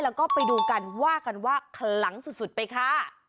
แล้วก็ไปดูกันว่ากันว่าคลังสุดไปค่ะ